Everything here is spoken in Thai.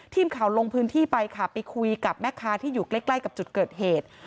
ทีมข่าวลงพื้นที่ไปค่ะไปคุยกับแม่ค้าที่อยู่ใกล้ใกล้กับจุดเกิดเหตุ